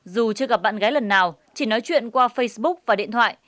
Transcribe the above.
dù chưa gặp bạn gái lần nào chỉ nói chuyện qua facebook và điện thoại